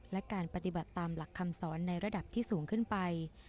และการปฏิบัติตามหลักคำสอนในระดับที่สูงขึ้นไป